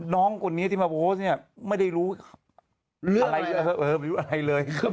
น้องกับพวกงี้ที่มาโพสต์ไม่รู้อะไรเลย